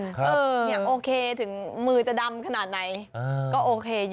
เออนะครับอยากโอเคถึงมือจะดำขนาดไหนก็โอเคอยู่